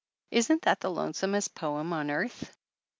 Isn't that the lone somest poem on earth?